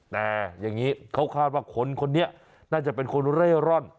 แต่อย่างนี้เขาคาดว่าคนคนนี้น่าจะเป็นคนเร่ร่อน